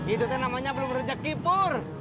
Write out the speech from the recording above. itu tuh namanya belum rejeki pur